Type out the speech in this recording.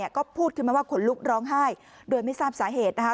ก็พูดขึ้นมาว่าขนลุกร้องไห้โดยไม่ทราบสาเหตุนะคะ